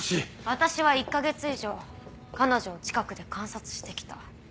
私は１か月以上彼女を近くで観察して来た。